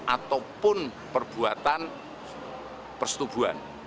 ataupun perbuatan persetubuhan